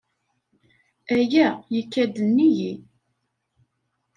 Aya yekka-d nnig-i.